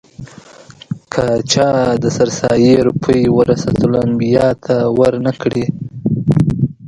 که چا د سرسایې روپۍ ورثه الانبیاوو ته ور نه کړې.